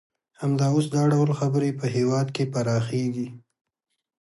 همدا اوس دا ډول خبرې په هېواد کې پراخیږي